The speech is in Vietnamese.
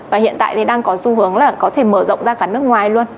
và hiện tại thì đang có xu hướng là có thể mở rộng ra cả nước ngoài luôn